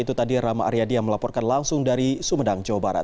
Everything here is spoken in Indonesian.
itu tadi rama aryadi yang melaporkan langsung dari sumedang jawa barat